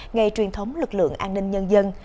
ngày truyền thống lực lượng an ninh nhân dân